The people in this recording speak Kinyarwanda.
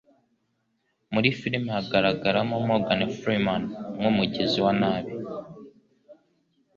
Muri filime hagaragaramo Morgan Freeman nk'umugizi wa nabi